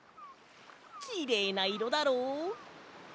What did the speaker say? きれいないろだろう？